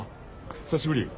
久しぶり。